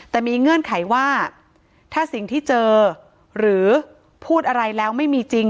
แต่มีเงื่อนไขว่าถ้าสิ่งที่เจอหรือพูดอะไรแล้วไม่มีจริง